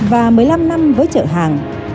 và một mươi năm năm với chở hàng